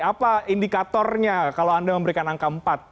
apa indikatornya kalau anda memberikan angka empat